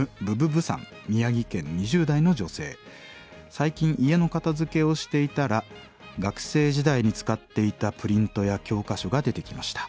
「最近家の片づけをしていたら学生時代に使っていたプリントや教科書が出てきました。